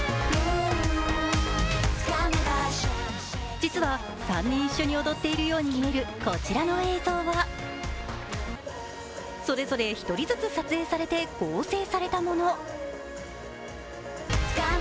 実は、３人一緒に踊っているように見えるこちらの映像はそれぞれ１人ずつ撮影されて合成されたもの。